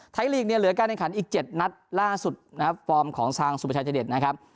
ไทยลีกเนี่ยเหลือก้านในขันอีก๗นัดล่าสุดนะครับฟอร์มของทางสุโปรชัยเฉดฤทธิ์นะครับ